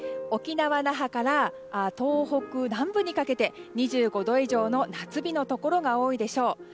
沖縄・那覇から東北南部にかけて２５度以上の夏日のところが多いでしょう。